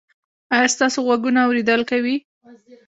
ایا ستاسو غوږونه اوریدل کوي؟